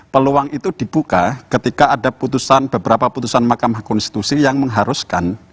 peluang itu dibuka ketika ada putusan beberapa putusan mahkamah konstitusi yang mengharuskan